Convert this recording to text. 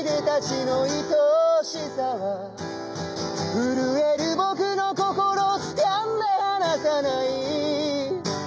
「ふるえる僕の心つかんで離さない」